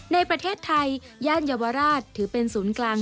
ในประเทศไทยย่านเยาวราชถือเป็นศูนย์กลาง